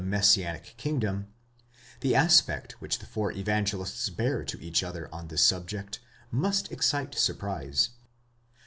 messianic kingdom ; the aspect which the four Evangelists bear to each other on this subject must excite surprise.